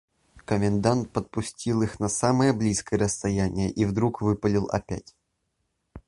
Комендант подпустил их на самое близкое расстояние и вдруг выпалил опять.